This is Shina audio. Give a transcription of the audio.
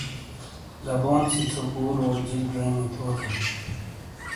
دبون سے ژھو بُٹو جِیل جینگی تھوتھن !